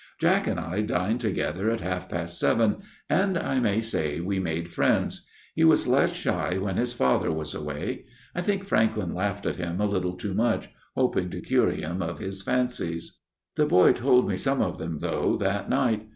" Jack and I dined together at half past seven, and, I may say, we made friends. He was less shy when his father was away. I think Franklyn laughed at him a little too much, hoping to cure him of his fancies. " The boy told me some of them, though, that night.